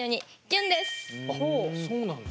そうなんだ。